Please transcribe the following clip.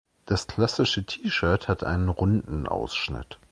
Das klassische T-Shirt hat einen runden Ausschnitt.